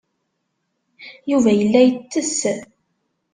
Yuba yella yettess.